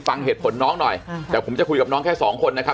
ฟังเหตุผลน้องหน่อยแต่ผมจะคุยกับน้องแค่สองคนนะครับ